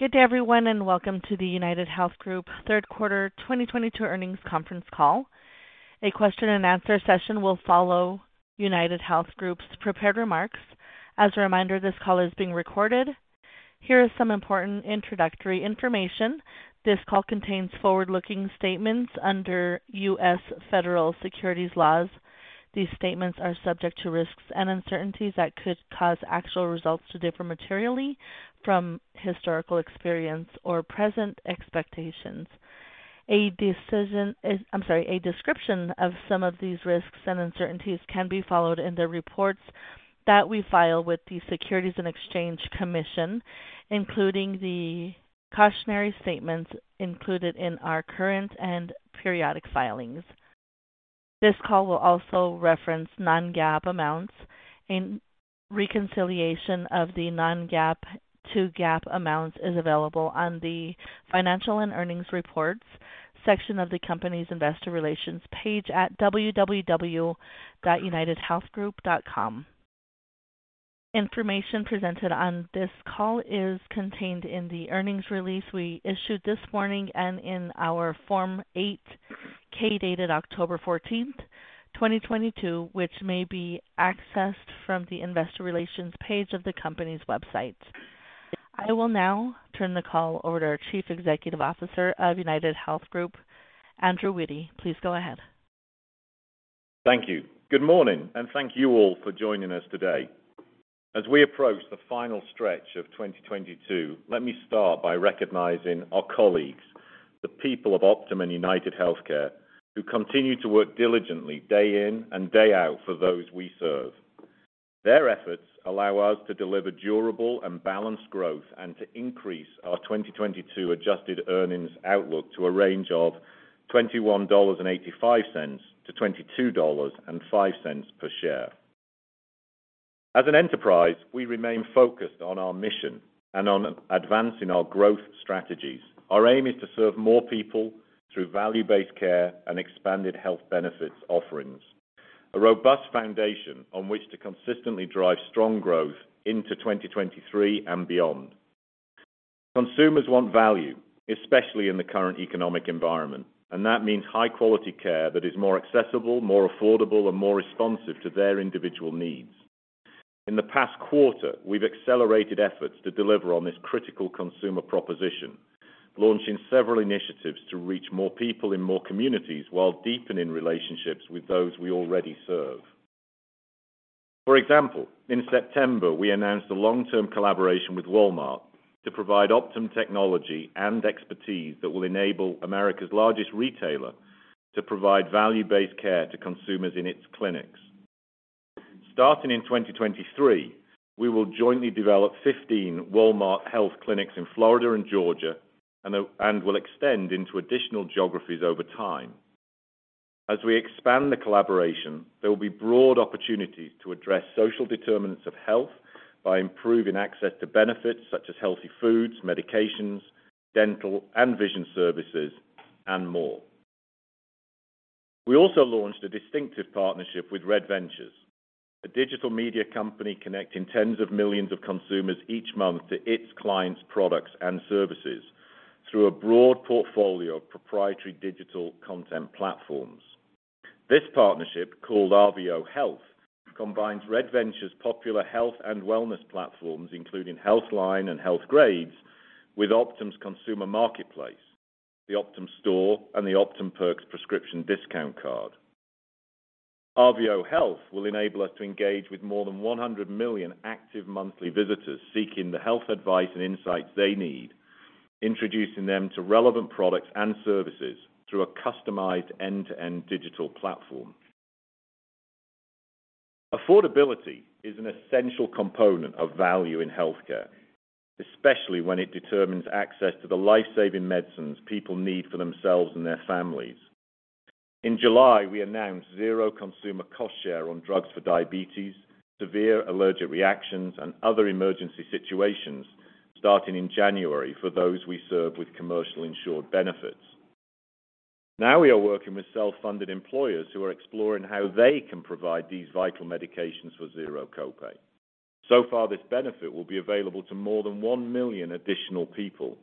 Good day everyone, and welcome to the UnitedHealth Group Third Quarter 2022 Earnings Conference Call. A question and answer session will follow UnitedHealth Group's prepared remarks. As a reminder, this call is being recorded. Here is some important introductory information. This call contains forward-looking statements under U.S. federal securities laws. These statements are subject to risks and uncertainties that could cause actual results to differ materially from historical experience or present expectations. A description of some of these risks and uncertainties can be found in the reports that we file with the Securities and Exchange Commission, including the cautionary statements included in our current and periodic filings. This call will also reference non-GAAP amounts, and reconciliation of the non-GAAP to GAAP amounts is available on the financial and earnings reports section of the company's investor relations page at www.unitedhealthgroup.com. Information presented on this call is contained in the earnings release we issued this morning and in our Form 8-K dated October 14th, 2022, which may be accessed from the investor relations page of the company's website. I will now turn the call over to our Chief Executive Officer of UnitedHealth Group, Andrew Witty. Please go ahead. Thank you. Good morning, and thank you all for joining us today. As we approach the final stretch of 2022, let me start by recognizing our colleagues, the people of Optum and UnitedHealthcare, who continue to work diligently day in and day out for those we serve. Their efforts allow us to deliver durable and balanced growth and to increase our 2022 adjusted earnings outlook to a range of $21.85-$22.05 per share. As an enterprise, we remain focused on our mission and on advancing our growth strategies. Our aim is to serve more people through value-based care and expanded health benefits offerings, a robust foundation on which to consistently drive strong growth into 2023 and beyond. Consumers want value, especially in the current economic environment, and that means high quality care that is more accessible, more affordable, and more responsive to their individual needs. In the past quarter, we've accelerated efforts to deliver on this critical consumer proposition, launching several initiatives to reach more people in more communities while deepening relationships with those we already serve. For example, in September, we announced a long-term collaboration with Walmart to provide Optum technology and expertise that will enable America's largest retailer to provide value-based care to consumers in its clinics. Starting in 2023, we will jointly develop 15 Walmart health clinics in Florida and Georgia, and will extend into additional geographies over time. As we expand the collaboration, there will be broad opportunities to address social determinants of health by improving access to benefits such as healthy foods, medications, dental and vision services, and more. We also launched a distinctive partnership with Red Ventures, a digital media company connecting tens of millions of consumers each month to its clients' products and services through a broad portfolio of proprietary digital content platforms. This partnership, called RVO Health, combines Red Ventures' popular health and wellness platforms, including Healthline and Healthgrades, with Optum's consumer marketplace, the Optum Store, and the Optum Perks prescription discount card. RVO Health will enable us to engage with more than 100 million active monthly visitors seeking the health advice and insights they need, introducing them to relevant products and services through a customized end-to-end digital platform. Affordability is an essential component of value in healthcare, especially when it determines access to the life-saving medicines people need for themselves and their families. In July, we announced zero consumer cost share on drugs for diabetes, severe allergic reactions, and other emergency situations starting in January for those we serve with commercial insured benefits. Now we are working with self-funded employers who are exploring how they can provide these vital medications for zero copay. So far, this benefit will be available to more than 1 million additional people,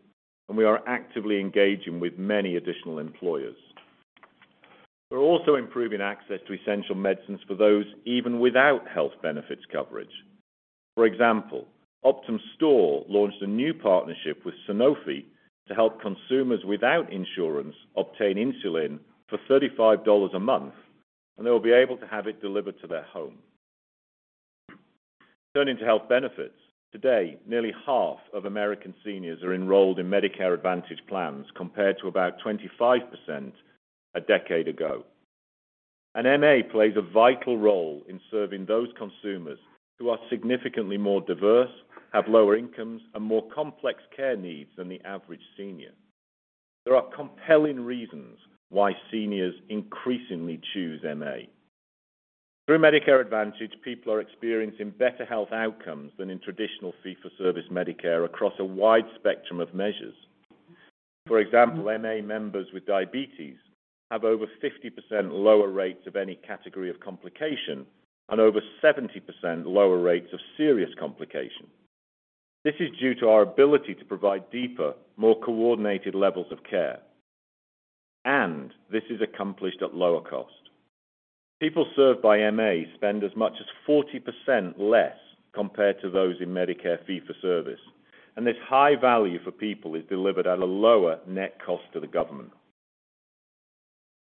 and we are actively engaging with many additional employers. We're also improving access to essential medicines for those even without health benefits coverage. For example, Optum Store launched a new partnership with Sanofi to help consumers without insurance obtain insulin for $35 a month, and they will be able to have it delivered to their home. Turning to health benefits. Today, nearly half of American seniors are enrolled in Medicare Advantage plans, compared to about 25% a decade ago. MA plays a vital role in serving those consumers who are significantly more diverse, have lower incomes, and more complex care needs than the average senior. There are compelling reasons why seniors increasingly choose MA. Through Medicare Advantage, people are experiencing better health outcomes than in traditional fee-for-service Medicare across a wide spectrum of measures. For example, MA members with diabetes have over 50% lower rates of any category of complication and over 70% lower rates of serious complication. This is due to our ability to provide deeper, more coordinated levels of care, and this is accomplished at lower cost. People served by MA spend as much as 40% less compared to those in Medicare fee-for-service, and this high value for people is delivered at a lower net cost to the government.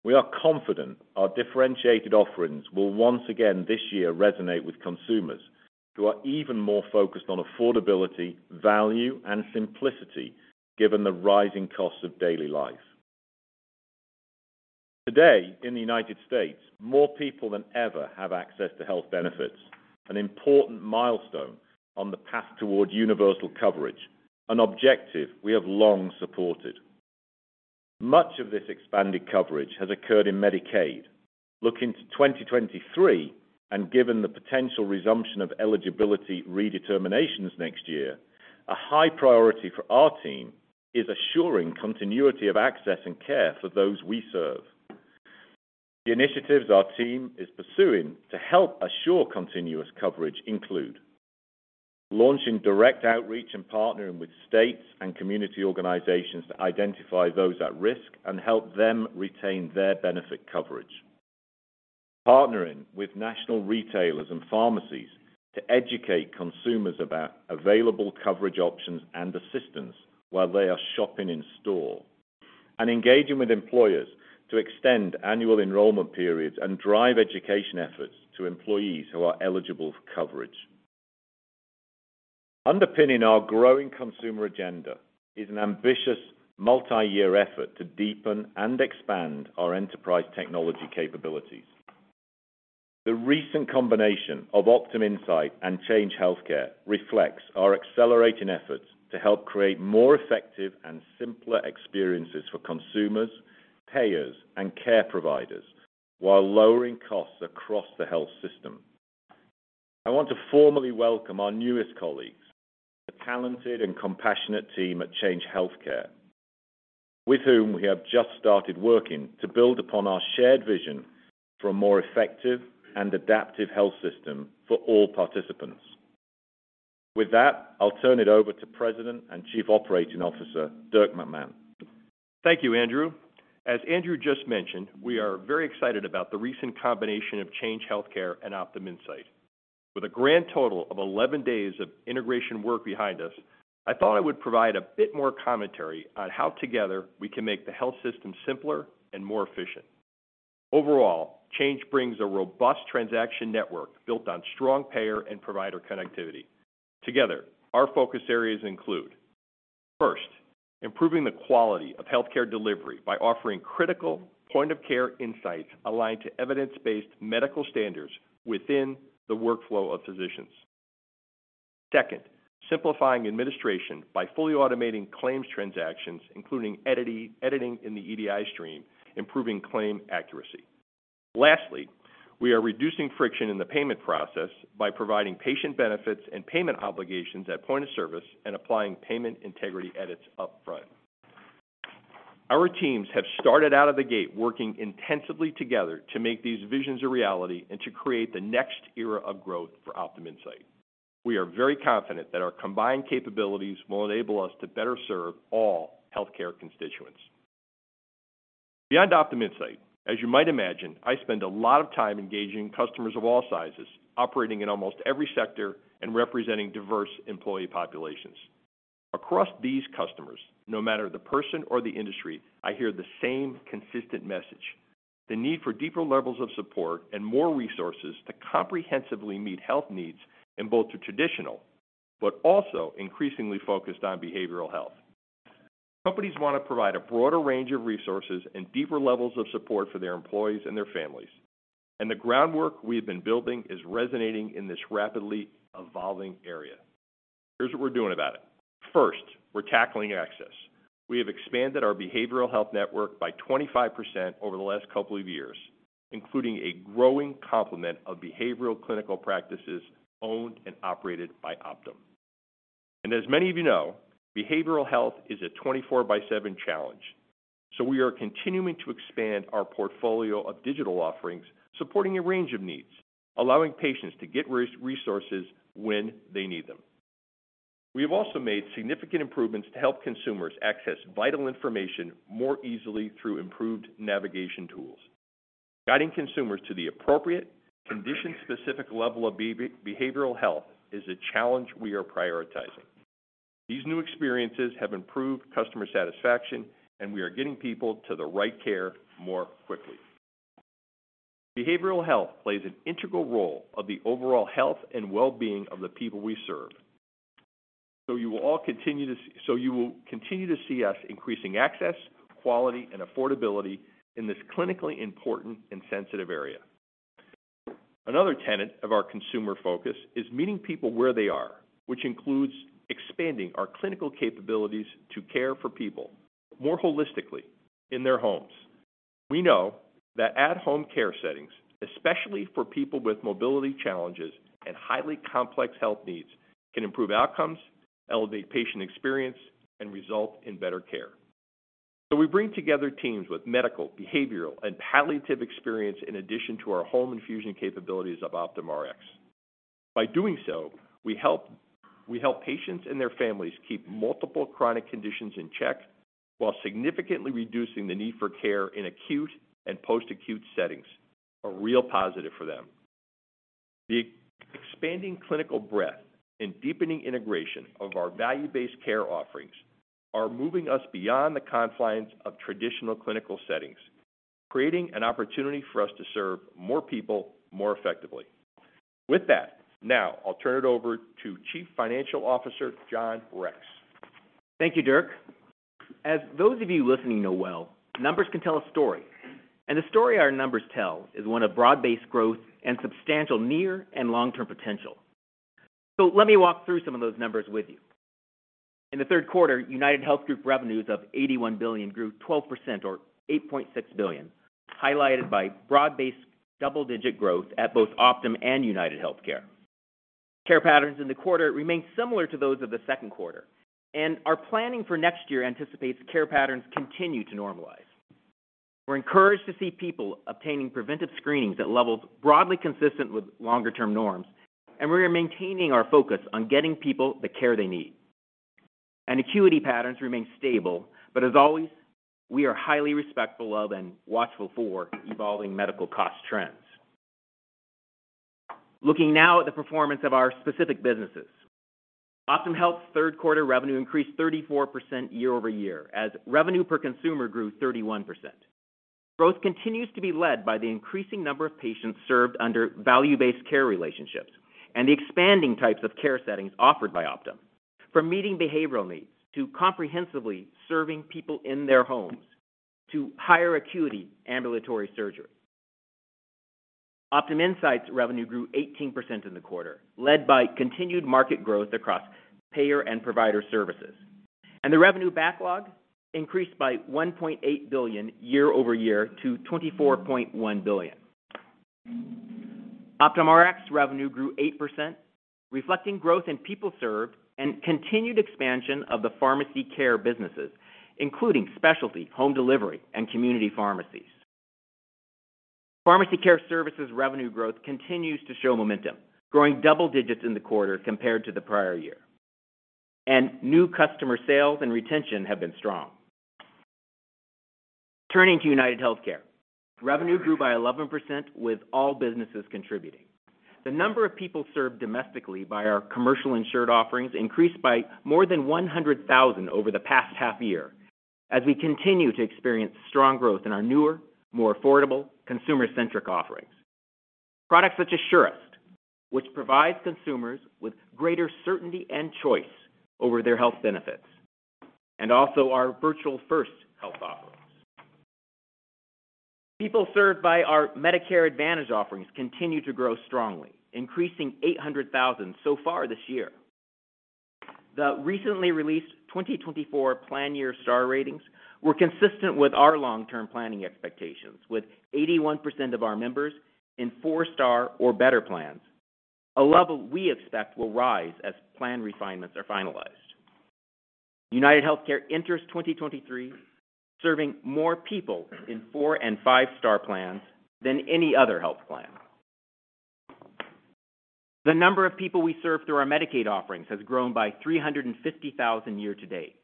We are confident our differentiated offerings will once again this year resonate with consumers who are even more focused on affordability, value, and simplicity given the rising cost of daily life. Today in the United States, more people than ever have access to health benefits, an important milestone on the path towards universal coverage, an objective we have long supported. Much of this expanded coverage has occurred in Medicaid. Looking to 2023, and given the potential resumption of eligibility redeterminations next year, a high priority for our team is assuring continuity of access and care for those we serve. The initiatives our team is pursuing to help assure continuous coverage include launching direct outreach and partnering with states and community organizations to identify those at risk and help them retain their benefit coverage. Partnering with national retailers and pharmacies to educate consumers about available coverage options and assistance while they are shopping in store, and engaging with employers to extend annual enrollment periods and drive education efforts to employees who are eligible for coverage. Underpinning our growing consumer agenda is an ambitious multi-year effort to deepen and expand our enterprise technology capabilities. The recent combination of Optum Insight and Change Healthcare reflects our accelerating efforts to help create more effective and simpler experiences for consumers, payers, and care providers while lowering costs across the health system. I want to formally welcome our newest colleagues, the talented and compassionate team at Change Healthcare, with whom we have just started working to build upon our shared vision for a more effective and adaptive health system for all participants. With that, I'll turn it over to President and Chief Operating Officer, Dirk McMahon. Thank you, Andrew. As Andrew just mentioned, we are very excited about the recent combination of Change Healthcare and Optum Insight. With a grand total of 11 days of integration work behind us, I thought I would provide a bit more commentary on how together we can make the health system simpler and more efficient. Overall, Change brings a robust transaction network built on strong payer and provider connectivity. Together, our focus areas include, first, improving the quality of healthcare delivery by offering critical point-of-care insights aligned to evidence-based medical standards within the workflow of physicians. Second, simplifying administration by fully automating claims transactions, including editing in the EDI stream, improving claim accuracy. Lastly, we are reducing friction in the payment process by providing patient benefits and payment obligations at point of service and applying payment integrity edits upfront. Our teams have started out of the gate working intensively together to make these visions a reality and to create the next era of growth for Optum Insight. We are very confident that our combined capabilities will enable us to better serve all healthcare constituents. Beyond Optum Insight, as you might imagine, I spend a lot of time engaging customers of all sizes, operating in almost every sector and representing diverse employee populations. Across these customers, no matter the person or the industry, I hear the same consistent message, the need for deeper levels of support and more resources to comprehensively meet health needs in both the traditional but also increasingly focused on behavioral health. Companies wanna provide a broader range of resources and deeper levels of support for their employees and their families, and the groundwork we have been building is resonating in this rapidly evolving area. Here's what we're doing about it. First, we're tackling access. We have expanded our behavioral health network by 25% over the last couple of years, including a growing complement of behavioral clinical practices owned and operated by Optum. As many of you know, behavioral health is a 24/7 challenge, so we are continuing to expand our portfolio of digital offerings, supporting a range of needs, allowing patients to get resources when they need them. We have also made significant improvements to help consumers access vital information more easily through improved navigation tools. Guiding consumers to the appropriate, condition-specific level of behavioral health is a challenge we are prioritizing. These new experiences have improved customer satisfaction, and we are getting people to the right care more quickly. Behavioral health plays an integral role of the overall health and well-being of the people we serve. You will continue to see us increasing access, quality, and affordability in this clinically important and sensitive area. Another tenet of our consumer focus is meeting people where they are, which includes expanding our clinical capabilities to care for people more holistically in their homes. We know that at-home care settings, especially for people with mobility challenges and highly complex health needs, can improve outcomes, elevate patient experience, and result in better care. We bring together teams with medical, behavioral, and palliative experience in addition to our home infusion capabilities of Optum Rx. By doing so, we help patients and their families keep multiple chronic conditions in check while significantly reducing the need for care in acute and post-acute settings. A real positive for them. The expanding clinical breadth and deepening integration of our value-based care offerings are moving us beyond the confines of traditional clinical settings, creating an opportunity for us to serve more people more effectively. With that, now I'll turn it over to Chief Financial Officer John Rex. Thank you, Dirk. As those of you listening know well, numbers can tell a story, and the story our numbers tell is one of broad-based growth and substantial near and long-term potential. So let me walk through some of those numbers with you. In the third quarter, UnitedHealth Group revenues of $81 billion grew 12% or $8.6 billion, highlighted by broad-based double-digit growth at both Optum and UnitedHealthcare. Care patterns in the quarter remained similar to those of the second quarter, and our planning for next year anticipates care patterns continue to normalize. We're encouraged to see people obtaining preventive screenings at levels broadly consistent with longer-term norms, and we are maintaining our focus on getting people the care they need. Acuity patterns remain stable, but as always, we are highly respectful of and watchful for evolving medical cost trends. Looking now at the performance of our specific businesses. Optum Health's third quarter revenue increased 34% year-over-year as revenue per consumer grew 31%. Growth continues to be led by the increasing number of patients served under value-based care relationships and the expanding types of care settings offered by Optum. From meeting behavioral needs to comprehensively serving people in their homes to higher acuity ambulatory surgery. Optum Insight revenue grew 18% in the quarter, led by continued market growth across payer and provider services, and the revenue backlog increased by $1.8 billion year-over-year to $24.1 billion. Optum Rx revenue grew 8%, reflecting growth in people served and continued expansion of the pharmacy care businesses, including specialty, home delivery, and community pharmacies. Pharmacy care services revenue growth continues to show momentum, growing double digits in the quarter compared to the prior year. New customer sales and retention have been strong. Turning to UnitedHealthcare. Revenue grew by 11% with all businesses contributing. The number of people served domestically by our commercial insured offerings increased by more than 100,000 over the past half year as we continue to experience strong growth in our newer, more affordable, consumer-centric offerings. Products such as Surest, which provides consumers with greater certainty and choice over their health benefits, and also our virtual-first health offerings. People served by our Medicare Advantage offerings continue to grow strongly, increasing 800,000 so far this year. The recently released 2024 plan year star ratings were consistent with our long-term planning expectations, with 81% of our members in four-star or better plans, a level we expect will rise as plan refinements are finalized. UnitedHealthcare enters 2023 serving more people in four- and five-star plans than any other health plan. The number of people we serve through our Medicaid offerings has grown by 350,000 year to date.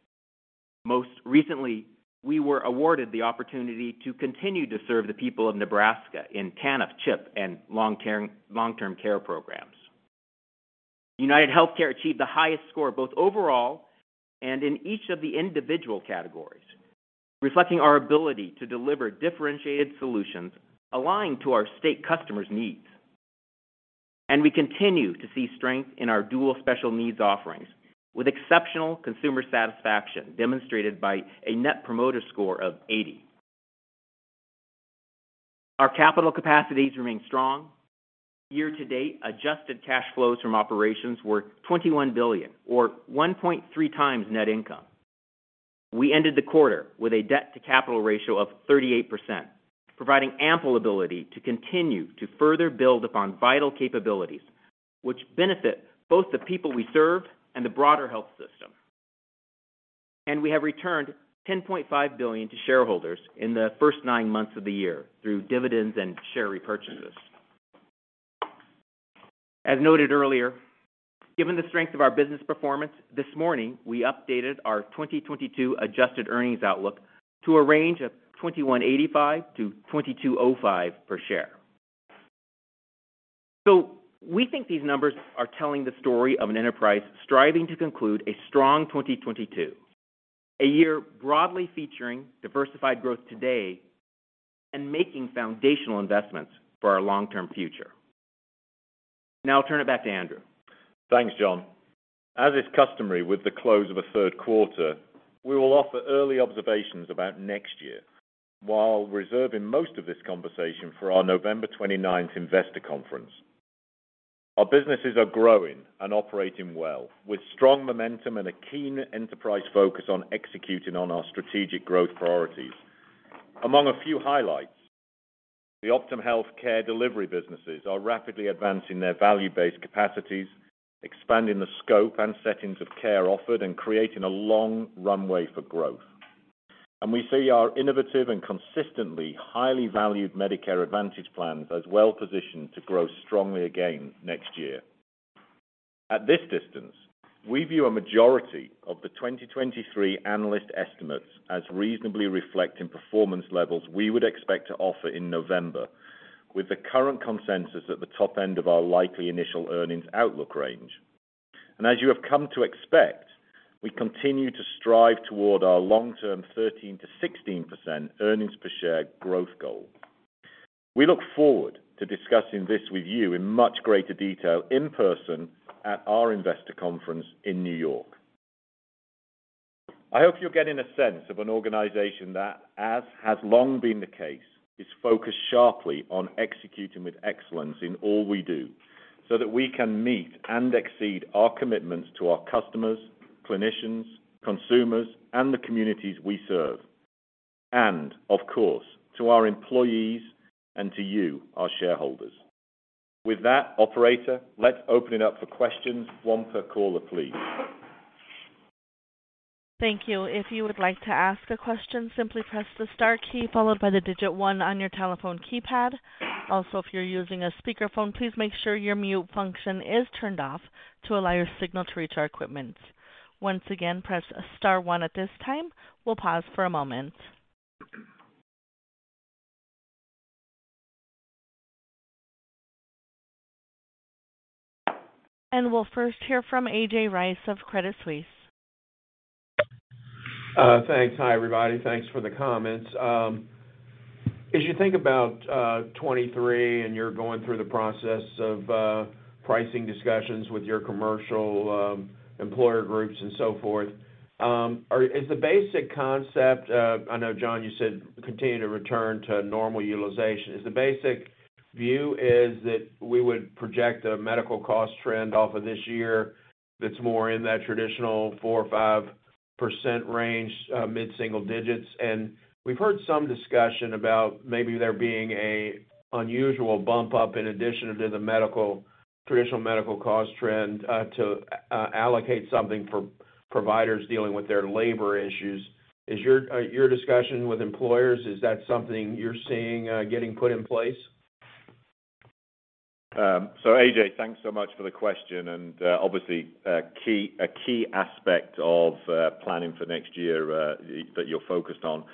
Most recently, we were awarded the opportunity to continue to serve the people of Nebraska in TANF, CHIP, and long-term care programs. UnitedHealthcare achieved the highest score both overall and in each of the individual categories, reflecting our ability to deliver differentiated solutions aligned to our state customers' needs. We continue to see strength in our Dual Special Needs offerings, with exceptional consumer satisfaction demonstrated by a Net Promoter Score of 80. Our capital capacities remain strong. Year to date, adjusted cash flows from operations were $21 billion or 1.3x net income. We ended the quarter with a debt-to-capital ratio of 38%, providing ample ability to continue to further build upon vital capabilities which benefit both the people we serve and the broader health system. We have returned $10.5 billion to shareholders in the first nine months of the year through dividends and share repurchases. As noted earlier, given the strength of our business performance this morning, we updated our 2022 adjusted earnings outlook to a range of $21.85-$22.05 per share. We think these numbers are telling the story of an enterprise striving to conclude a strong 2022, a year broadly featuring diversified growth today and making foundational investments for our long-term future. Now I'll turn it back to Andrew. Thanks, John. As is customary with the close of a third quarter, we will offer early observations about next year while reserving most of this conversation for our November 29th Investor Conference. Our businesses are growing and operating well with strong momentum and a keen enterprise focus on executing on our strategic growth priorities. Among a few highlights, the Optum Health care delivery businesses are rapidly advancing their value-based capacities, expanding the scope and settings of care offered, and creating a long runway for growth. We see our innovative and consistently highly valued Medicare Advantage plans as well positioned to grow strongly again next year. At this distance, we view a majority of the 2023 analyst estimates as reasonably reflecting performance levels we would expect to offer in November, with the current consensus at the top end of our likely initial earnings outlook range. As you have come to expect, we continue to strive toward our long-term 13%-16% earnings per share growth goal. We look forward to discussing this with you in much greater detail in person at our investor conference in New York. I hope you're getting a sense of an organization that, as has long been the case, is focused sharply on executing with excellence in all we do, so that we can meet and exceed our commitments to our customers, clinicians, consumers, and the communities we serve, and of course, to our employees and to you, our shareholders. With that, operator, let's open it up for questions. One per caller, please. Thank you. If you would like to ask a question, simply press the star key followed by the digit one on your telephone keypad. Also, if you're using a speakerphone, please make sure your mute function is turned off to allow your signal to reach our equipment. Once again, press star one at this time. We'll pause for a moment. We'll first hear from A.J. Rice of Credit Suisse. Thanks. Hi evMrybody. Thanks for the comments. As you think about 2023 and you're going through the process of pricing discussions with your commercial employer groups and so forth, is the basic concept, I know, John, you said continue to return to normal utilization. Is the basic view is that we would project a medical cost trend off of this year that's more in that traditional 4%-5% range, mid-single digits, and we've heard some discussion about maybe there being an unusual bump up in addition to the medical, traditional medical cost trend, to allocate something for providers dealing with their labor issues. Is your discussion with employers, is that something you're seeing getting put in place? AJ, thanks so much for the question and, obviously, a key aspect of planning for next year that you're focused on.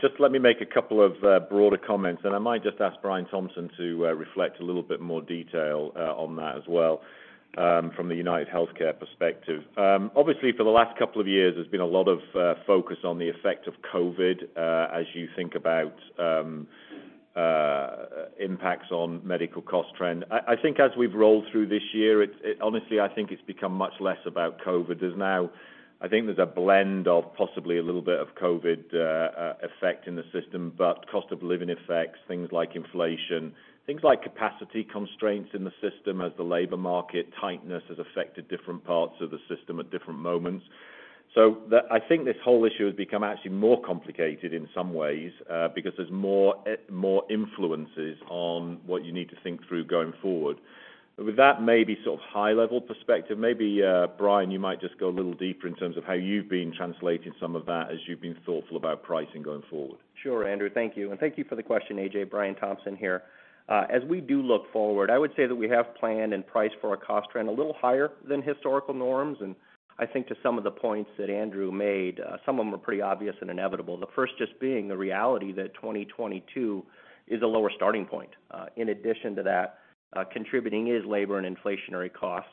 Just let me make a couple of broader comments, and I might just ask Brian Thompson to reflect a little bit more detail on that as well, from the UnitedHealthcare perspective. Obviously, for the last couple of years, there's been a lot of focus on the effect of COVID as you think about impacts on medical cost trend. I think as we've rolled through this year, it honestly, I think it's become much less about COVID. There's now I think there's a blend of possibly a little bit of COVID, effect in the system, but cost of living effects, things like inflation, things like capacity constraints in the system as the labor market tightness has affected different parts of the system at different moments. The I think this whole issue has become actually more complicated in some ways, because there's more influences on what you need to think through going forward. With that maybe sort of high-level perspective, maybe, Brian, you might just go a little deeper in terms of how you've been translating some of that as you've been thoughtful about pricing going forward. Sure, Andrew. Thank you. Thank you for the question, A.J. Brian Thompson here. As we do look forward, I would say that we have planned and priced for our cost trend a little higher than historical norms. I think to some of the points that Andrew made, some of them are pretty obvious and inevitable. The first just being the reality that 2022 is a lower starting point. In addition to that, contributing is labor and inflationary costs.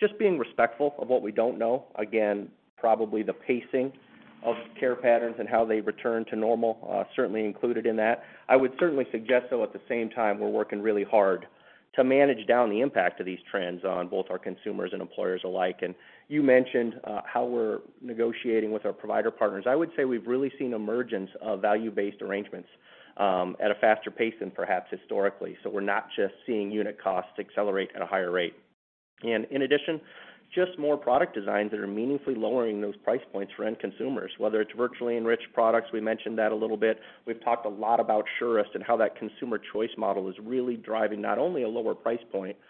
Just being respectful of what we don't know, again, probably the pacing of care patterns and how they return to normal, certainly included in that. I would certainly suggest, though at the same time, we're working really hard to manage down the impact of these trends on both our consumers and employers alike. You mentioned how we're negotiating with our provider partners. I would say we've really seen emergence of value-based arrangements at a faster pace than perhaps historically. We're not just seeing unit costs accelerate at a higher rate. In addition, just more product designs that are meaningfully lowering those price points for end consumers, whether it's virtually enriched products, we mentioned that a little bit. We've talked a lot about Surest and how that consumer choice model is really driving not only a lower price point, but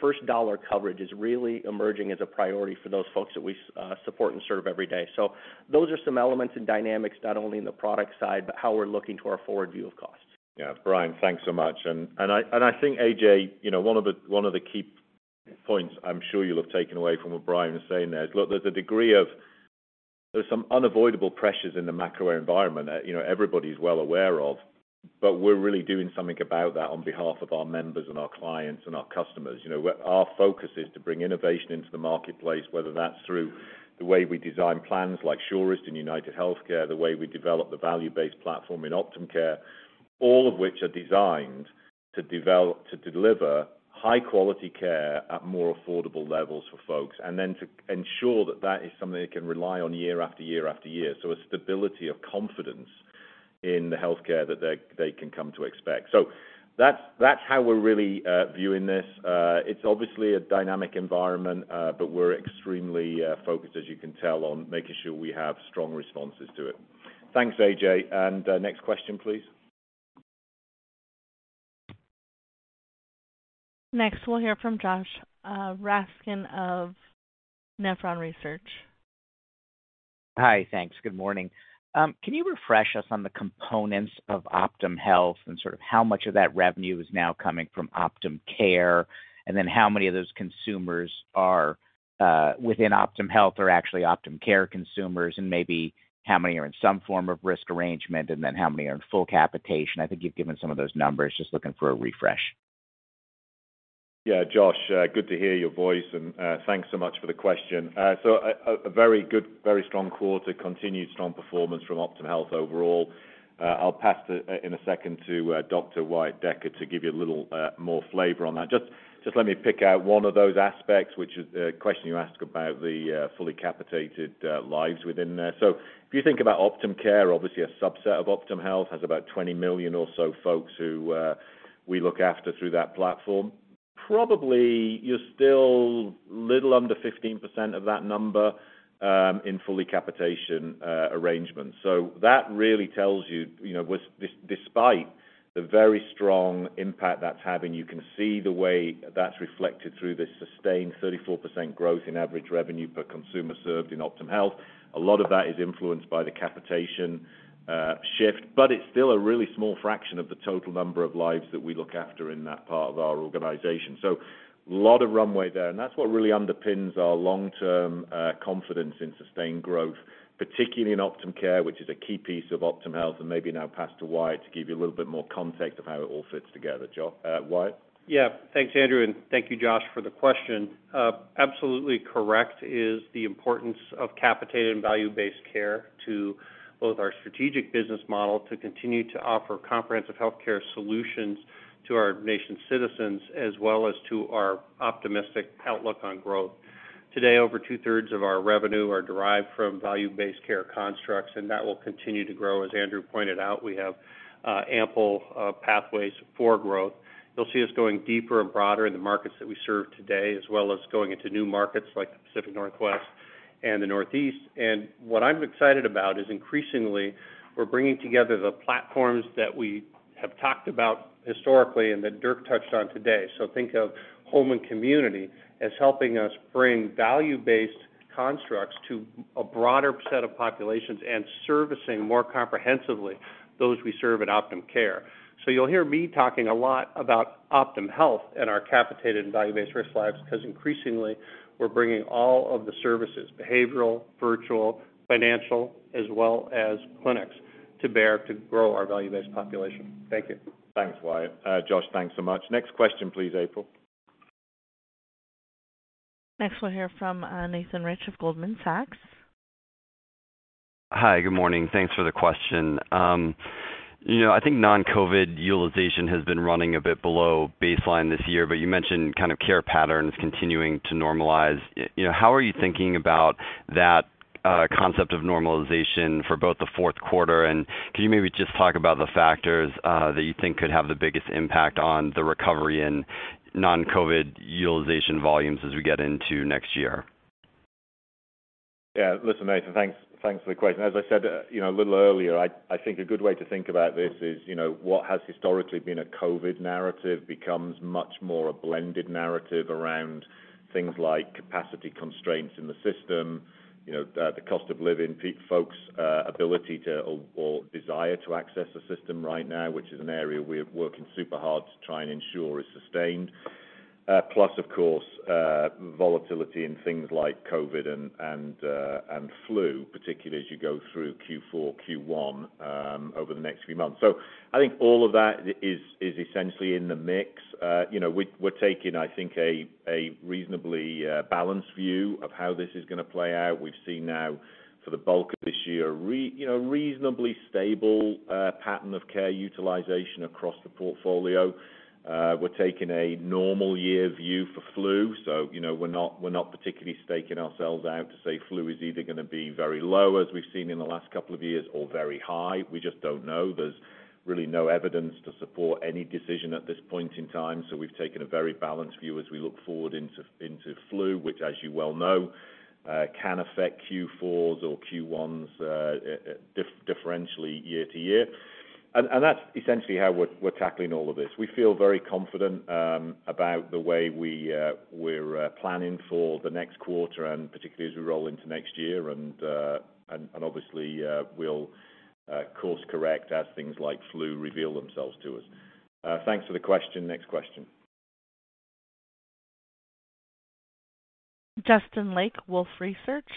first dollar coverage is really emerging as a priority for those folks that we support and serve every day. Those are some elements and dynamics not only in the product side, but how we're looking to our forward view of costs. Yeah. Brian, thanks so much. I think AJ, you know, one of the key points I'm sure you'll have taken away from what Brian is saying there is, look, there's a degree of. There's some unavoidable pressures in the macro environment that, you know, everybody's well aware of, but we're really doing something about that on behalf of our members and our clients and our customers. You know, our focus is to bring innovation into the marketplace, whether that's through the way we design plans like Surest in UnitedHealthcare, the way we develop the value-based platform in Optum Care, all of which are designed to deliver high quality care at more affordable levels for folks, and then to ensure that that is something they can rely on year after year after year. A stability of confidence in the healthcare that they can come to expect. That's how we're really viewing this. It's obviously a dynamic environment, but we're extremely focused, as you can tell, on making sure we have strong responses to it. Thanks, A.J. Next question, please. Next, we'll hear from Josh Raskin of Nephron Research. Hi, thanks. Good morning. Can you refresh us on the components of Optum Health and sort of how much of that revenue is now coming from Optum Care? How many of those consumers are within Optum Health or actually Optum Care consumers, and maybe how many are in some form of risk arrangement, and then how many are in full capitation? I think you've given some of those numbers. Just looking for a refresh. Yeah. Josh, good to hear your voice, and thanks so much for the question. A very good, very strong quarter. Continued strong performance from Optum Health overall. I'll pass to in a second to Dr. Wyatt Decker to give you a little more flavor on that. Just let me pick out one of those aspects, which is the question you asked about the fully capitated lives within there. If you think about Optum Care, obviously a subset of Optum Health, has about 20 million or so folks who we look after through that platform. Probably you're still little under 15% of that number in fully capitation arrangements. That really tells you know, with this, despite the very strong impact that's having, you can see the way that's reflected through this sustained 34% growth in average revenue per consumer served in Optum Health. A lot of that is influenced by the capitation shift, but it's still a really small fraction of the total number of lives that we look after in that part of our organization. A lot of runway there, and that's what really underpins our long-term confidence in sustained growth, particularly in Optum Care, which is a key piece of Optum Health. Maybe now pass to Wyatt to give you a little bit more context of how it all fits together, Josh, Wyatt. Yeah, thanks, Andrew, and thank you, Josh, for the question. Absolutely correct is the importance of capitated and value-based care to both our strategic business model to continue to offer comprehensive healthcare solutions to our nation's citizens, as well as to our optimistic outlook on growth. Today, over 2/3 of our revenue are derived from value-based care constructs, and that will continue to grow. As Andrew pointed out, we have ample pathways for growth. You'll see us going deeper and broader in the markets that we serve today, as well as going into new markets like the Pacific Northwest and the Northeast. What I'm excited about is increasingly we're bringing together the platforms that we have talked about historically and that Dirk touched on today. Think of home and community as helping us bring value-based constructs to a broader set of populations and servicing more comprehensively those we serve at Optum Care. You'll hear me talking a lot about Optum Health and our capitated and value-based risk lives, 'cause increasingly we're bringing all of the services, behavioral, virtual, financial, as well as clinics, to bear to grow our value-based population. Thank you. Thanks, Wyatt. Josh, thanks so much. Next question, please, April. Next, we'll hear from Nathan Rich of Goldman Sachs. Hi. Good morning. Thanks for the question. You know, I think non-COVID utilization has been running a bit below baseline this year, but you mentioned kind of care patterns continuing to normalize. You know, how are you thinking about that concept of normalization for both the fourth quarter, and can you maybe just talk about the factors that you think could have the biggest impact on the recovery in non-COVID utilization volumes as we get into next year? Yeah. Listen, Nathan, thanks. Thanks for the question. As I said, you know, a little earlier, I think a good way to think about this is, you know, what has historically been a COVID narrative becomes much more a blended narrative around things like capacity constraints in the system, you know, the cost of living, folks' ability to, or desire to access the system right now, which is an area we're working super hard to try and ensure is sustained. Plus, of course, volatility in things like COVID and flu, particularly as you go through Q4, Q1, over the next few months. I think all of that is essentially in the mix. You know, we're taking, I think, a reasonably balanced view of how this is gonna play out. We've seen now for the bulk of this year you know, reasonably stable pattern of care utilization across the portfolio. We're taking a normal year view for flu. You know, we're not particularly staking ourselves out to say flu is either gonna be very low, as we've seen in the last couple of years or very high. We just don't know. There's really no evidence to support any decision at this point in time. We've taken a very balanced view as we look forward into flu, which, as you well know, can affect Q4s or Q1s, differentially year to year. That's essentially how we're tackling all of this. We feel very confident about the way we're planning for the next quarter and particularly as we roll into next year. Obviously, we'll course correct as things like flu reveal themselves to us. Thanks for the question. Next question. Justin Lake, Wolfe Research.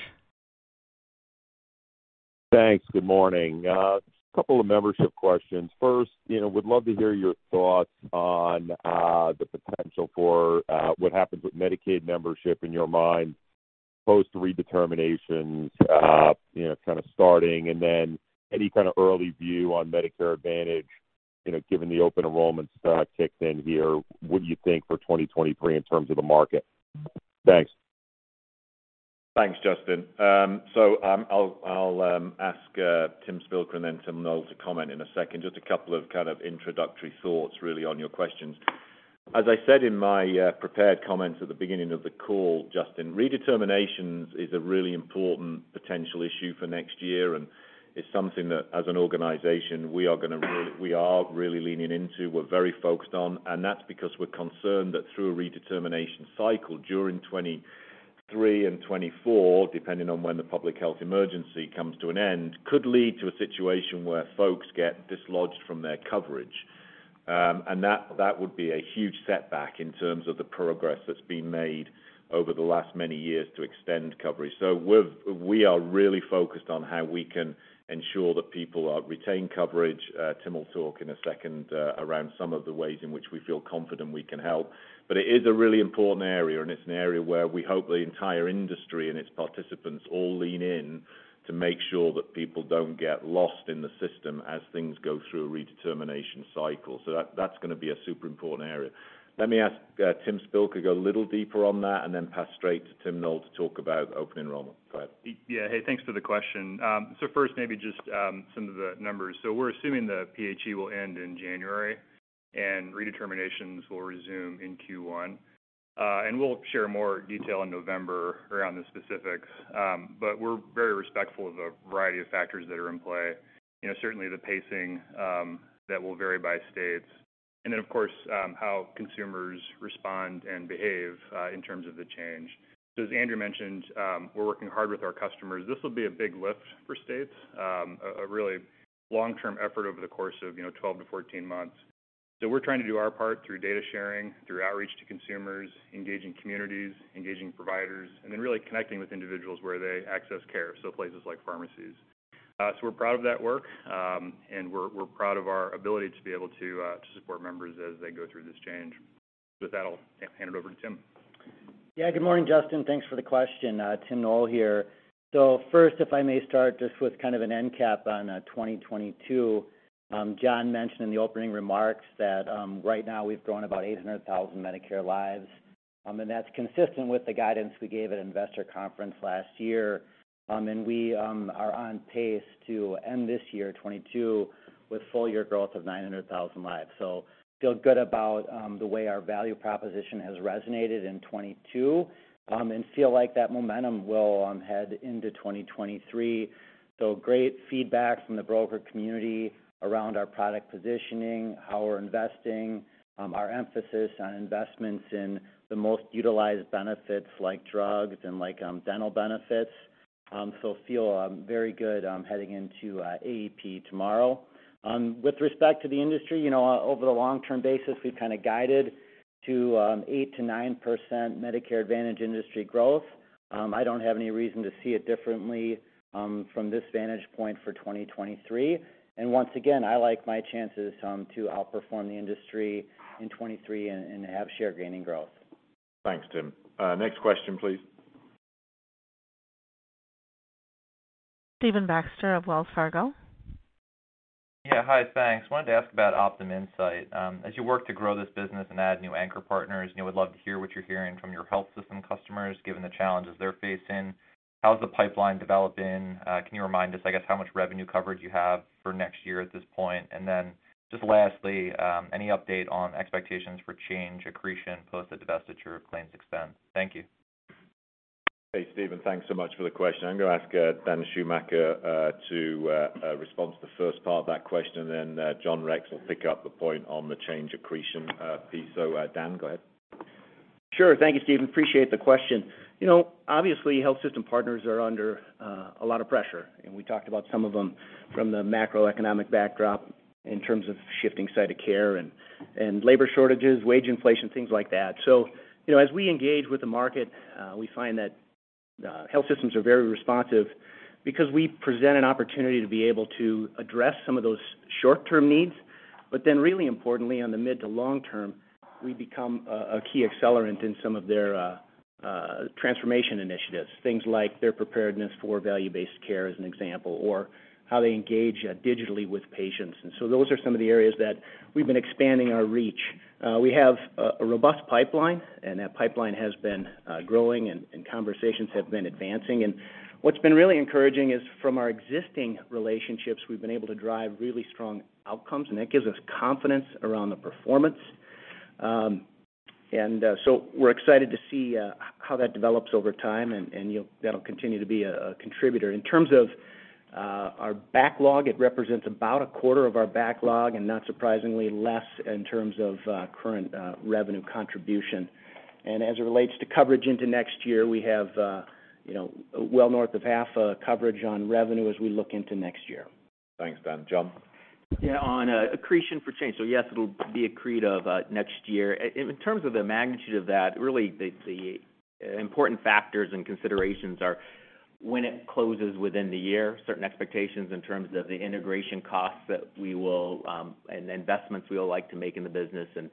Thanks. Good morning. A couple of membership questions. First, you know, would love to hear your thoughts on the potential for what happens with Medicaid membership in your mind post redeterminations, you know, kind of starting, and then any kind of early view on Medicare Advantage, you know, given the open enrollment start kicked in here, what do you think for 2023 in terms of the market? Thanks. Thanks, Justin. So, I'll ask Tim Spilker and then Tim Noel to comment in a second. Just a couple of kind of introductory thoughts really on your questions. As I said in my prepared comments at the beginning of the call, Justin, redeterminations is a really important potential issue for next year, and it's something that, as an organization, we are really leaning into, we're very focused on. That's because we're concerned that through a redetermination cycle during 2023 and 2024, depending on when the public health emergency comes to an end, could lead to a situation where folks get dislodged from their coverage. That would be a huge setback in terms of the progress that's been made over the last many years to extend coverage. We are really focused on how we can ensure that people retain coverage. Tim will talk in a second around some of the ways in which we feel confident we can help. It is a really important area, and it's an area where we hope the entire industry and its participants all lean in to make sure that people don't get lost in the system as things go through a redetermination cycle. That's gonna be a super important area. Let me ask, Tim Spilker to go a little deeper on that, and then pass straight to Tim Noel to talk about open enrollment. Go ahead. Yeah. Hey, thanks for the question. First maybe just some of the numbers. We're assuming the PHE will end in January, and redeterminations will resume in Q1. We'll share more detail in November around the specifics. We're very respectful of the variety of factors that are in play, you know, certainly the pacing that will vary by states, and then of course how consumers respond and behave in terms of the change. As Andrew mentioned, we're working hard with our customers. This will be a big lift for states, a really long-term effort over the course of, you know, 12-14 months. We're trying to do our part through data sharing, through outreach to consumers, engaging communities, engaging providers, and then really connecting with individuals where they access care, so places like pharmacies. We're proud of that work, and we're proud of our ability to be able to support members as they go through this change. With that, I'll hand it over to Tim. Yeah. Good morning, Justin. Thanks for the question. Tim Noel here. First, if I may start just with kind of an end cap on 2022. John Rex mentioned in the opening remarks that right now we've grown about 800,000 Medicare lives, and that's consistent with the guidance we gave at investor conference last year. And we are on pace to end this year, 2022, with full year growth of 900,000 lives. Feel good about the way our value proposition has resonated in 2022, and feel like that momentum will head into 2023. Great feedback from the broker community around our product positioning, how we're investing, our emphasis on investments in the most utilized benefits like drugs and like dental benefits. I feel very good heading into AEP tomorrow. With respect to the industry, you know, over the long-term basis, we've kinda guided to 8%-9% Medicare Advantage industry growth. I don't have any reason to see it differently from this vantage point for 2023. Once again, I like my chances to outperform the industry in 2023 and have share gaining growth. Thanks, Tim. Next question, please. Steven Baxter of Wells Fargo. Yeah. Hi. Thanks. Wanted to ask about Optum Insight. As you work to grow this business and add new anchor partners, you know, we'd love to hear what you're hearing from your health system customers, given the challenges they're facing. How's the pipeline developing? Can you remind us, I guess, how much revenue coverage you have for next year at this point? Then just lastly, any update on expectations for Change accretion post the divestiture of ClaimsXten? Thank you. Hey, Steven. Thanks so much for the question. I'm gonna ask Daniel Schumacher to respond to the first part of that question, and then John Rex will pick up the point on the Change accretion piece. Dan, go ahead. Sure. Thank you, Steven. Appreciate the question. You know, obviously, health system partners are under a lot of pressure, and we talked about some of them from the macroeconomic backdrop in terms of shifting site of care and labor shortages, wage inflation, things like that. You know, as we engage with the market, we find that health systems are very responsive because we present an opportunity to be able to address some of those short-term needs. But then really importantly, on the mid to long-term, we become a key accelerant in some of their transformation initiatives, things like their preparedness for value-based care as an example, or how they engage digitally with patients. Those are some of the areas that we've been expanding our reach. We have a robust pipeline, and that pipeline has been growing and conversations have been advancing. What's been really encouraging is from our existing relationships, we've been able to drive really strong outcomes, and that gives us confidence around the performance. We're excited to see how that develops over time, and that'll continue to be a contributor. In terms of our backlog, it represents about a quarter of our backlog, and not surprisingly less in terms of current revenue contribution. As it relates to coverage into next year, we have you know, well north of half coverage on revenue as we look into next year. Thanks, Dan. Jon. Yeah. On accretion for Change. Yes, it'll be accretive next year. In terms of the magnitude of that, really the important factors and considerations are when it closes within the year, certain expectations in terms of the integration costs that we will and investments we would like to make in the business, and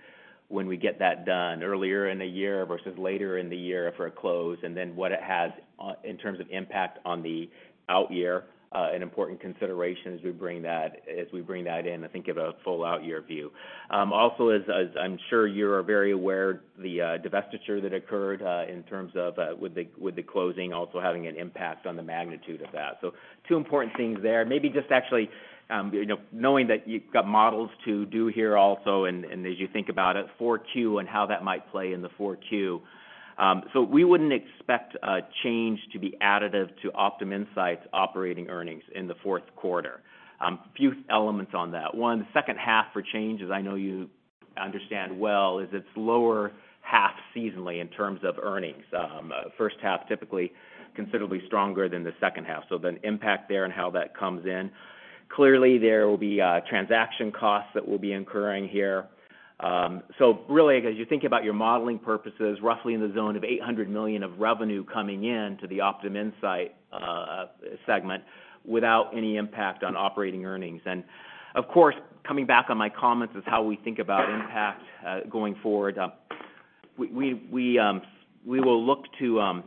when we get that done, earlier in the year versus later in the year for a close, and then what it has in terms of impact on the out year, and important considerations as we bring that in. I think of a full out year view. Also, as I'm sure you're very aware, the divestiture that occurred in terms of with the closing also having an impact on the magnitude of that. Two important things there. Maybe just actually, you know, knowing that you've got models to do here also and as you think about it, 4Q and how that might play in the 4Q. We wouldn't expect a change to be additive to Optum Insight's operating earnings in the fourth quarter. A few elements on that. One, the second half for Change Healthcare, I know you understand well, is the lower half seasonally in terms of earnings. First half typically considerably stronger than the second half. The impact there and how that comes in. Clearly, there will be transaction costs that we'll be incurring here. Really, as you think about your modeling purposes, roughly in the zone of $800 million of revenue coming in to the Optum Insight segment without any impact on operating earnings. Of course, coming back on my comments is how we think about impact going forward. We will look to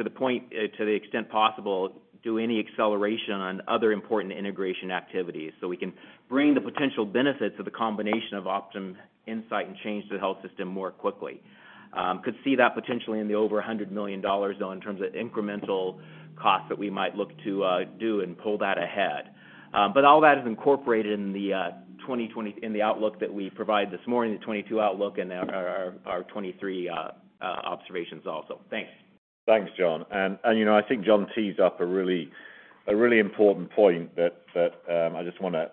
the extent possible do any acceleration on other important integration activities, so we can bring the potential benefits of the combination of Optum Insight and Change to the Health System more quickly. Could see that potentially in the over $100 million, though, in terms of incremental costs that we might look to do and pull that ahead. All that is incorporated in the 2022 outlook that we provide this morning, the 2022 outlook and our 2023 observations also. Thanks. Thanks, John. You know, I think John tees up a really important point that I just wanna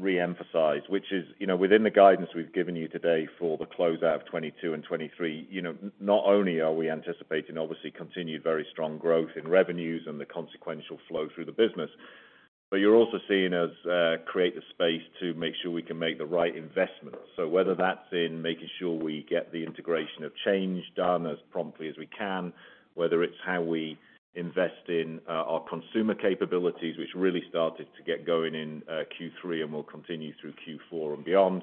reemphasize, which is, you know, within the guidance we've given you today for the closeout of 2022 and 2023, you know, not only are we anticipating obviously continued very strong growth in revenues and the consequential flow through the business, but you're also seeing us create the space to make sure we can make the right investments. Whether that's in making sure we get the integration of Change Healthcare done as promptly as we can, whether it's how we invest in our consumer capabilities, which really started to get going in Q3 and will continue through Q4 and beyond,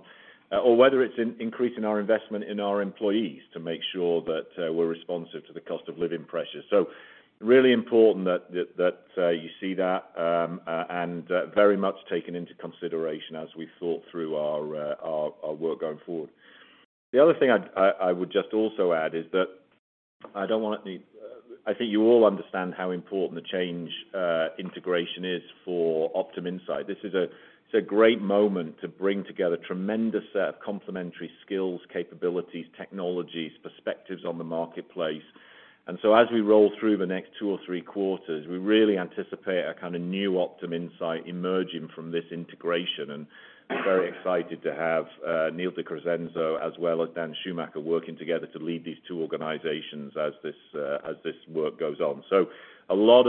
or whether it's in increasing our investment in our employees to make sure that we're responsive to the cost of living pressures. Really important that you see that, and very much taken into consideration as we thought through our work going forward. The other thing I would just also add is that I don't want the. I think you all understand how important the Change Healthcare integration is for Optum Insight. This is a great moment to bring together a tremendous set of complementary skills, capabilities, technologies, perspectives on the marketplace. As we roll through the next two or three quarters, we really anticipate a kind of new Optum Insight emerging from this integration, and we're very excited to have Neil de Crescenzo as well as Dan Schumacher working together to lead these two organizations as this work goes on. A lot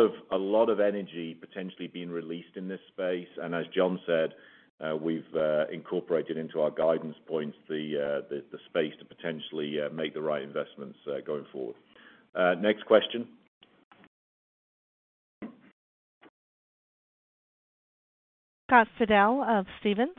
of energy potentially being released in this space. As John said, we've incorporated into our guidance points the space to potentially make the right investments going forward. Next question. Scott Fidel of Stephens.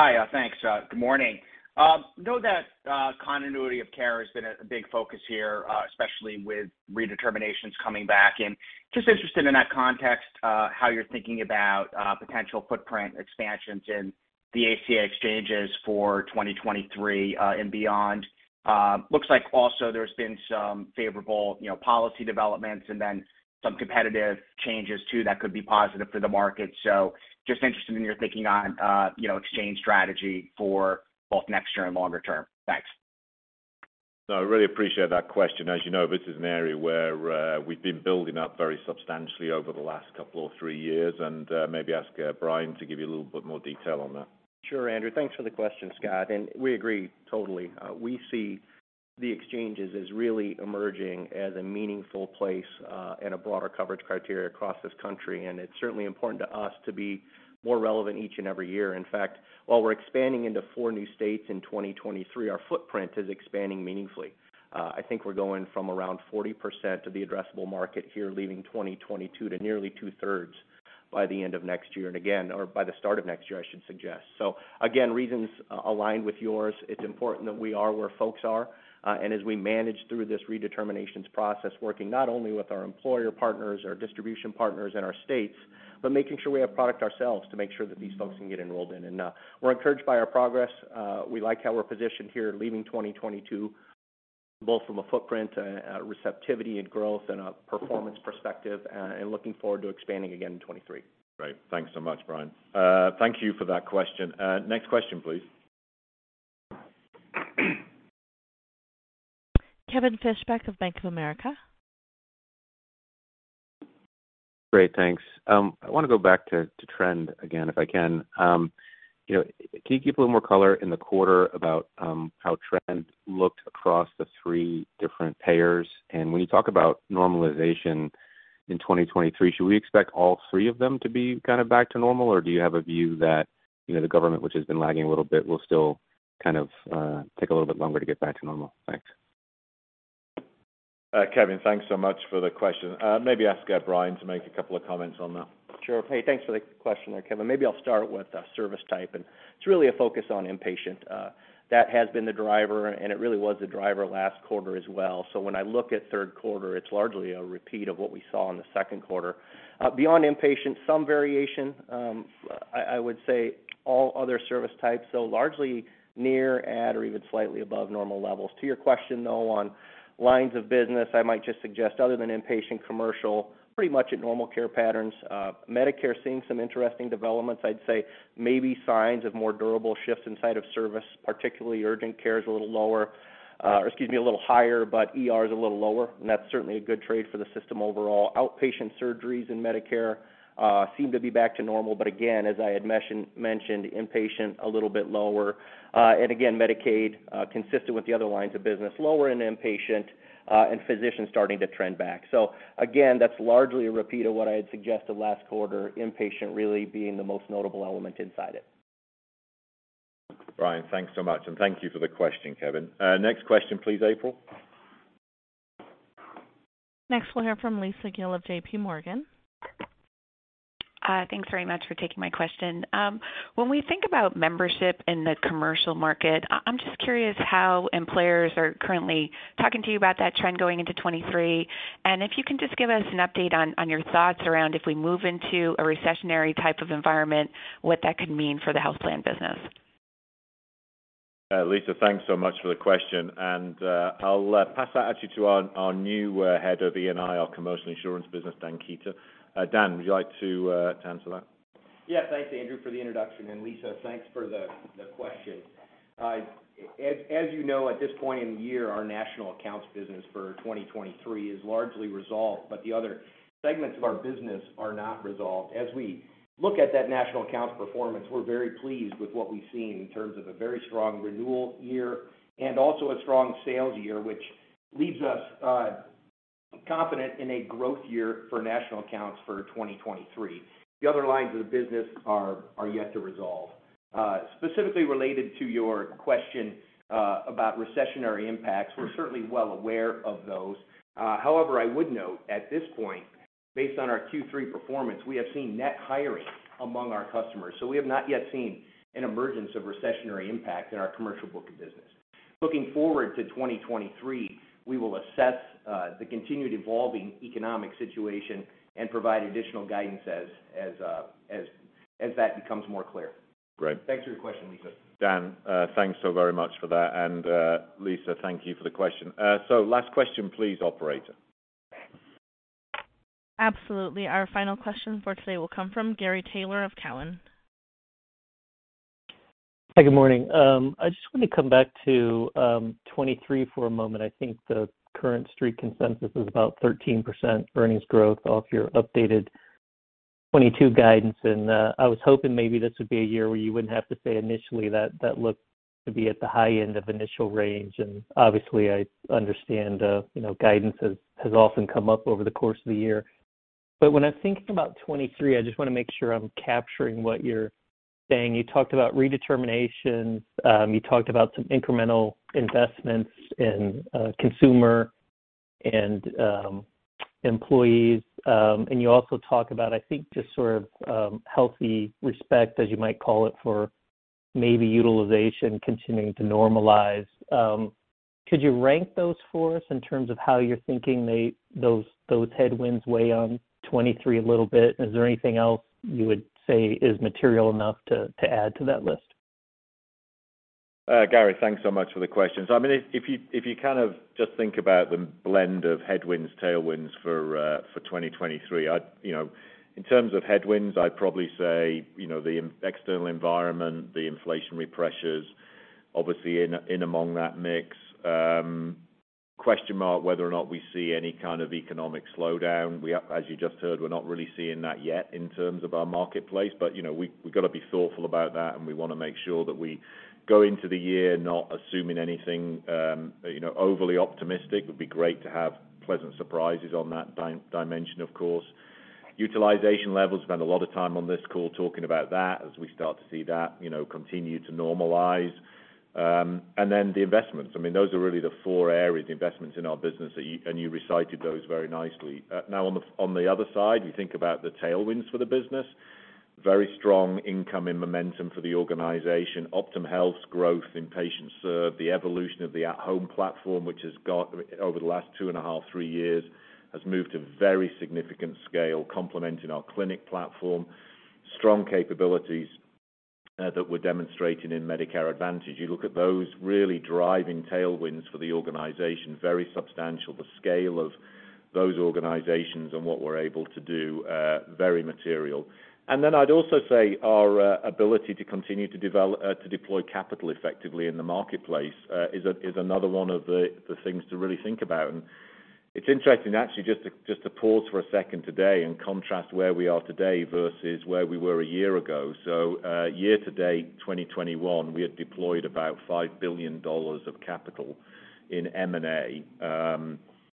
Hi. Thanks. Good morning. I know that continuity of care has been a big focus here, especially with redeterminations coming back, and just interested in that context, how you're thinking about potential footprint expansions in the ACA exchanges for 2023 and beyond. Looks like also there's been some favorable, you know, policy developments and then some competitive changes too that could be positive for the market. Just interested in your thinking on, you know, exchange strategy for both next year and longer term. Thanks. No, I really appreciate that question. As you know, this is an area where we've been building up very substantially over the last couple or three years, and maybe ask Brian to give you a little bit more detail on that. Sure, Andrew. Thanks for the question, Scott. We agree totally. We see the exchanges as really emerging as a meaningful place, and a broader coverage criteria across this country, and it's certainly important to us to be more relevant each and every year. In fact, while we're expanding into four new states in 2023, our footprint is expanding meaningfully. I think we're going from around 40% of the addressable market here, leaving 2022 to nearly 2/3 by the end of next year, and again, or by the start of next year, I should suggest. Again, reasons aligned with yours. It's important that we are where folks are, and as we manage through this redeterminations process, working not only with our employer partners, our distribution partners in our states, but making sure we have product ourselves to make sure that these folks can get enrolled in. We're encouraged by our progress. We like how we're positioned here leaving 2022, both from a footprint, receptivity and growth and a performance perspective, and looking forward to expanding again in 2023. Great. Thanks so much, Brian. Thank you for that question. Next question, please. Kevin Fischbeck of Bank of America. Great, thanks. I wanna go back to trend again, if I can. You know, can you give a little more color in the quarter about how trend looked across the three different payers? When you talk about normalization in 2023, should we expect all three of them to be kind of back to normal, or do you have a view that, you know, the government, which has been lagging a little bit, will still kind of take a little bit longer to get back to normal? Thanks. Kevin, thanks so much for the question. Maybe ask Brian to make a couple of comments on that. Sure. Hey, thanks for the question there, Kevin. Maybe I'll start with service type, and it's really a focus on inpatient. That has been the driver, and it really was the driver last quarter as well. When I look at third quarter, it's largely a repeat of what we saw in the second quarter. Beyond inpatient, some variation. I would say all other service types, so largely near, at, or even slightly above normal levels. To your question, though, on lines of business, I might just suggest other than inpatient commercial, pretty much at normal care patterns. Medicare seeing some interesting developments. I'd say maybe signs of more durable shifts inside of service, particularly urgent care is a little lower. Excuse me, a little higher, but ER's a little lower, and that's certainly a good trade for the system overall. Outpatient surgeries in Medicare seem to be back to normal, but again, as I had mentioned, inpatient a little bit lower. Again, Medicaid consistent with the other lines of business, lower in inpatient, and physicians starting to trend back. Again, that's largely a repeat of what I had suggested last quarter, inpatient really being the most notable element inside it. Brian, thanks so much, and thank you for the question, Kevin. Next question, please, April. Next, we'll hear from Lisa Gill of J.P. Morgan. Thanks very much for taking my question. When we think about membership in the commercial market, I'm just curious how employers are currently talking to you about that trend going into 2023. If you can just give us an update on your thoughts around if we move into a recessionary type of environment, what that could mean for the health plan business. Lisa, thanks so much for the question. I'll pass that to our new head of E&I, our commercial insurance business, Dan Kueter. Dan, would you like to answer that? Yeah, thanks, Andrew, for the introduction, and Lisa, thanks for the question. As you know, at this point in the year, our national accounts business for 2023 is largely resolved, but the other segments of our business are not resolved. As we look at that national accounts performance, we're very pleased with what we've seen in terms of a very strong renewal year and also a strong sales year, which leaves us confident in a growth year for national accounts for 2023. The other lines of the business are yet to resolve. Specifically related to your question about recessionary impacts, we're certainly well aware of those. However, I would note at this point, based on our Q3 performance, we have seen net hiring among our customers. We have not yet seen an emergence of recessionary impact in our commercial book of business. Looking forward to 2023, we will assess the continued evolving economic situation and provide additional guidance as that becomes more clear. Great. Thanks for your question, Lisa. Dan, thanks so very much for that. Lisa, thank you for the question. Last question, please, operator. Absolutely. Our final question for today will come from Gary Taylor of Cowen. Hi, good morning. I just wanna come back to 2023 for a moment. I think the current Street consensus is about 13% earnings growth off your updated 2022 guidance. I was hoping maybe this would be a year where you wouldn't have to say initially that that looked to be at the high end of initial range. Obviously, I understand you know, guidance has often come up over the course of the year. When I think about 2023, I just wanna make sure I'm capturing what you're saying. You talked about redeterminations. You talked about some incremental investments in consumer and employees. You also talk about, I think, just sort of healthy respect, as you might call it, for maybe utilization continuing to normalize. Could you rank those for us in terms of how you're thinking those headwinds weigh on 2023 a little bit? Is there anything else you would say is material enough to add to that list? Gary, thanks so much for the question. I mean, if you kind of just think about the blend of headwinds, tailwinds for 2023, I'd. You know, in terms of headwinds, I'd probably say, you know, the external environment, the inflationary pressures, obviously in among that mix. Question mark whether or not we see any kind of economic slowdown. We, as you just heard, we're not really seeing that yet in terms of our marketplace, but you know, we've gotta be thoughtful about that, and we wanna make sure that we go into the year not assuming anything, you know, overly optimistic. Would be great to have pleasant surprises on that dimension, of course. Utilization levels, spend a lot of time on this call talking about that as we start to see that, you know, continue to normalize. The investments. I mean, those are really the four areas, the investments in our business that you recited those very nicely. Now on the other side, you think about the tailwinds for the business, very strong income and momentum for the organization. Optum Health's growth in patients served, the evolution of the at home platform, which has got, over the last 2.5, three years, has moved to very significant scale, complementing our clinic platform. Strong capabilities that we're demonstrating in Medicare Advantage. You look at those really driving tailwinds for the organization, very substantial. The scale of those organizations and what we're able to do, very material. Then I'd also say our ability to continue to deploy capital effectively in the marketplace is another one of the things to really think about. It's interesting actually, just to pause for a second today and contrast where we are today versus where we were a year ago. Year to date, 2021, we had deployed about $5 billion of capital in M&A,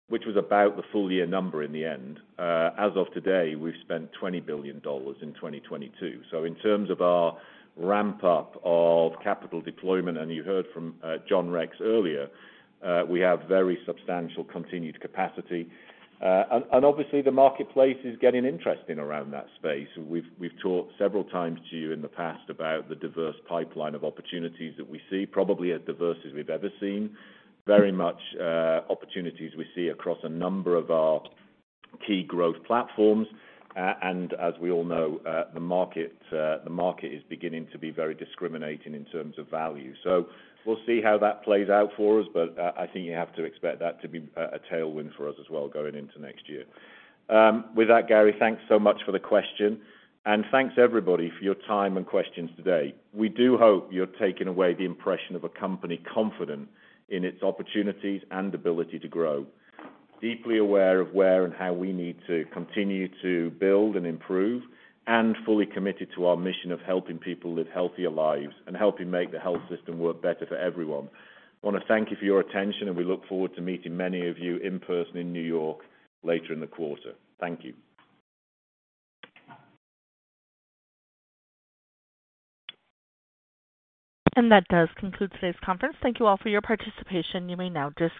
which was about the full year number in the end. As of today, we've spent $20 billion in 2022. In terms of our ramp up of capital deployment, and you heard from John Rex earlier, we have very substantial continued capacity. Obviously the marketplace is getting interesting around that space. We've talked several times to you in the past about the diverse pipeline of opportunities that we see, probably as diverse as we've ever seen. Very much, opportunities we see across a number of our key growth platforms. As we all know, the market is beginning to be very discriminating in terms of value. We'll see how that plays out for us, but I think you have to expect that to be a tailwind for us as well going into next year. With that, Gary, thanks so much for the question, and thanks everybody for your time and questions today. We do hope you're taking away the impression of a company confident in its opportunities and ability to grow, deeply aware of where and how we need to continue to build and improve, and fully committed to our mission of helping people live healthier lives and helping make the health system work better for everyone. I wanna thank you for your attention, and we look forward to meeting many of you in person in New York later in the quarter. Thank you. That does conclude today's conference. Thank you all for your participation. You may now disconnect.